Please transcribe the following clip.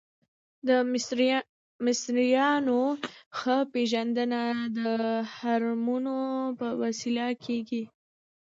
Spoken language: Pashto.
د مصریانو ښه پیژندنه د هرمونو په وسیله کیږي.